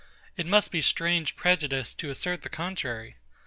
It must be strange prejudice to assert the contrary.